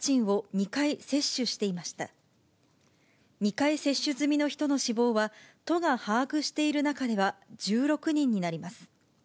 ２回接種済みの人の死亡は、都が把握している中では、１６人になります。